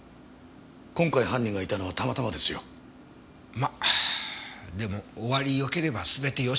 今回犯人がいたのはたまたまですよ。までも終わりよければ全てよし。